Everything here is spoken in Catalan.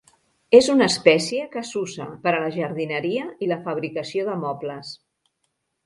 És una espècie que s'usa per a la jardineria i la fabricació de mobles.